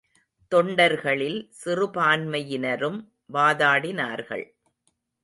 தொண்டர்களில் சிறுபான்மையினரும் வாதாடினார்கள்.